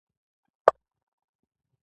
او په پوره اخلاص سره.